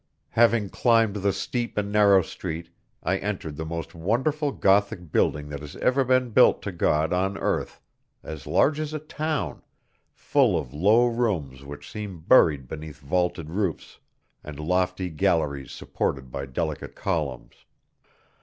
Having climbed the steep and narrow street, I entered the most wonderful Gothic building that has ever been built to God on earth, as large as a town, full of low rooms which seem buried beneath vaulted roofs, and lofty galleries supported by delicate columns.